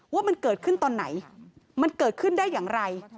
ว่ามันเกิดขึ้นตอนไหนมันเกิดขึ้นได้อย่างไร